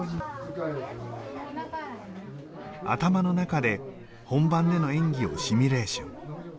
頭の中で本番での演技をシミュレーション。